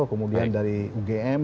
kemudian dari ugm